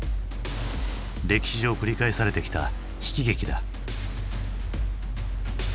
歴史上繰り返されてきた悲喜劇だ。